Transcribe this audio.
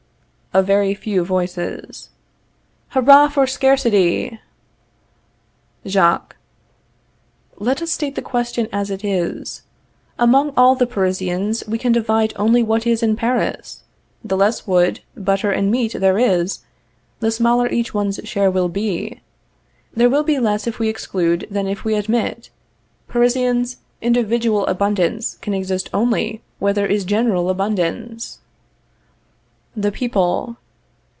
A Very Few Voices. Hurrah for SCARCITY! Jacques. Let us state the question as it is. Among all the Parisians we can divide only what is in Paris; the less wood, butter and meat there is, the smaller each one's share will be. There will be less if we exclude than if we admit. Parisians, individual abundance can exist only where there is general abundance. _The People.